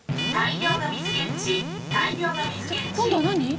今度は何！？